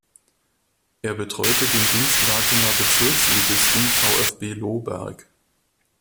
Er betreute den Dinslakener Bezirksligisten VfB Lohberg.